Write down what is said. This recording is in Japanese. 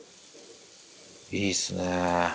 いいっすね。